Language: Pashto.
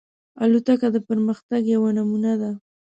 الوتکه د پرمختګ یوه نمونه ده.